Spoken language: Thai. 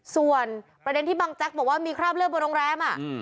ส่วนประเด็นที่บางแจ๊กบอกว่ามีคราบเลือดบนโรงแรม